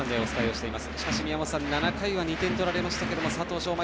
しかし７回は２点を取られましたが佐藤奨真